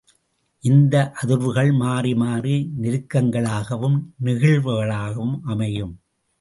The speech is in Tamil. இந்த அதிர்வுகள் மாறிமாறி நெருக்கங்களாகவும் நெகிழ்வுகளாகவும் அமையும்.